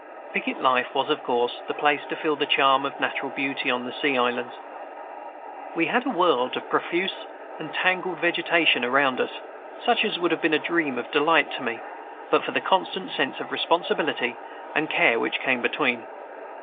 Picket life was of course the place to feel the charm of natural beauty on the Sea Islands. We had a world of profuse and tangled vegetation around us, such as would have been a dream of delight to me, but for the constant sense of responsibility and care which came between.